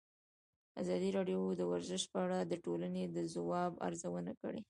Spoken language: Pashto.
ازادي راډیو د ورزش په اړه د ټولنې د ځواب ارزونه کړې.